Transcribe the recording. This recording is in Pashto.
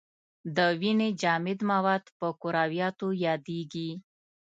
د وینې جامد مواد په کرویاتو یادیږي.